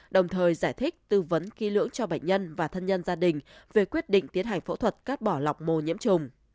đồng thời giải thích tư vấn kỹ lưỡng cho bệnh nhân và thân nhân gia đình về quyết định tiến hành phẫu thuật cắt bỏ lọc mô nhiễm trùng